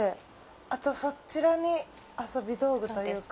あとそちらに遊び道具というか。